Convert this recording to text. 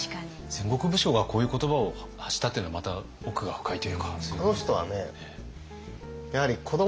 戦国武将がこういう言葉を発したというのはまた奥が深いというか。